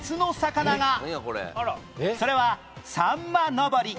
それはさんまのぼり